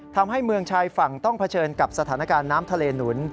ทำให้เมืองชายฝั่งต้องเผชิญกับสถานการณ์น้ำทะเลหนุน